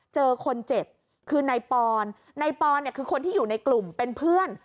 เจอคนเจ็บคือนายปอนนายปอนเนี่ยคือคนที่อยู่ในกลุ่มเป็นเพื่อน